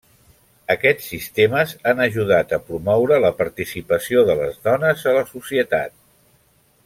Aquests sistemes han ajudat a promoure la participació de les dones a la societat.